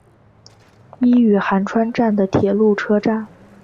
伊予寒川站的铁路车站。